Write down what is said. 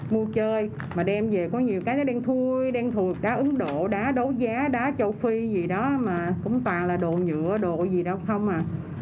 mua chơi mà đem về có nhiều cái nó đen thui đen thuộc đá ứng độ đá đấu giá đá châu phi gì đó mà cũng toàn là đồ nhựa đồ gì đâu không à